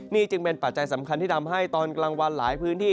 นี่จึงเป็นปัจจัยสำคัญที่ทำให้ตอนกลางวันหลายพื้นที่